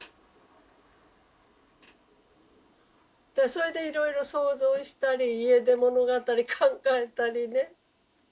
それでいろいろ想像したり家出物語考えたりね。